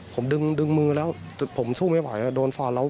ผมดึงมือแล้วผมสู้ไม่ไหวโดนฟาดแล้ว